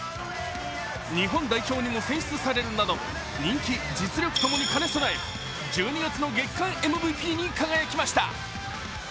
日本代表にも選出されるなど人気・実力ともに兼ね備え１２月の月間ＭＶＰに輝きました。